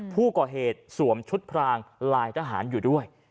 ผู้ก่อเหตุสวมชุดพรางลายทหารอยู่ด้วย